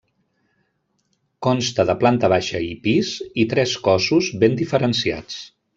Consta de planta baixa i pis, i tres cossos ben diferenciats.